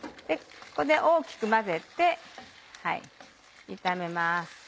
ここで大きく混ぜて炒めます。